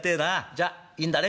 じゃいいんだね？